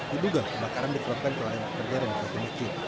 dibugak kebakaran dikeluarkan ke perjalanan masjid